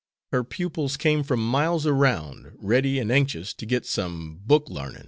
Her pupils came from miles around, ready and anxious to get some "book larnin'."